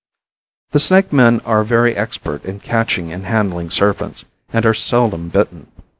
The snake men are very expert in catching and handling serpents, and are seldom bitten.